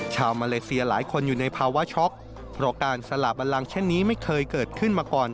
ชาวมาเลเซียหลายคนอยู่ในภาวะช็อกเพราะการสละบันลังเช่นนี้ไม่เคยเกิดขึ้นมาก่อน